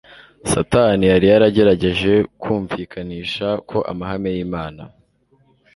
Satani yari yaragerageje ku mvikanisha ko amahame y'Imana